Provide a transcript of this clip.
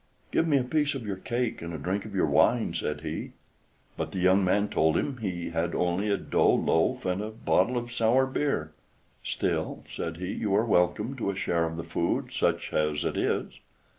"Give me a piece of your cake and a drink of your wine?" said he. But the young man told him he had only a dough loaf and a bottle of sour beer. "Still," said he, "you are welcome to a share of the food, such as it is."